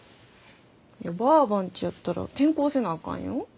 ばあばんちやったら転校せなあかんよ？